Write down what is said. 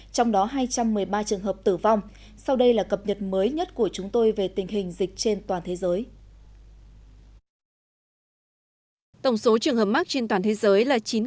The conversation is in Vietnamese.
trong đó hai trăm một mươi ba trường hợp tử vong sau đây là cập nhật mới nhất của chúng tôi về tình hình dịch trên toàn thế giới